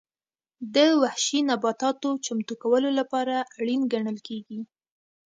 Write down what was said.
د وحشي نباتاتو چمتو کولو لپاره اړین ګڼل کېږي.